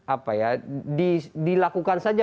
apa ya dilakukan saja